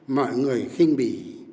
mọi người khinh bì